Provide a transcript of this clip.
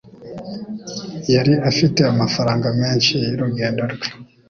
Yari afite amafaranga menshi y'urugendo rwe.